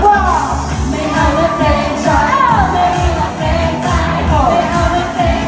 ไม่มีหลักเตรียมใจไม่เอาหลักเตรียมใจ